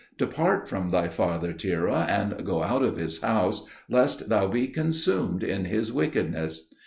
Depart from thy father Terah and go out of his house, lest thou be consumed in his wickedness."